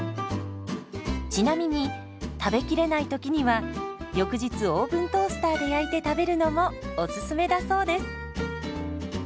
ちなみに食べきれないときには翌日オーブントースターで焼いて食べるのもおすすめだそうです。